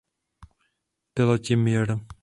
Piloti mjr.